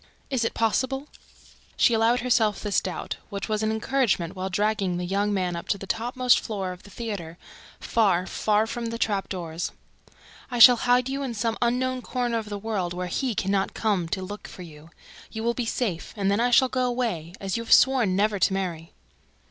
"Is it possible?" She allowed herself this doubt, which was an encouragernent, while dragging the young man up to the topmost floor of the theater, far, very far from the trap doors. "I shall hide you in some unknown corner of the world, where HE can not come to look for you. You will be safe; and then I shall go away ... as you have sworn never to marry."